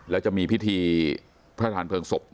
และจะมีพิธีพระทานเพลิงศพ